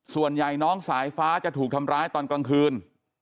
ส่วนใหญ่น้องสายฟ้าจะถูกทำร้ายตอนกลางคืน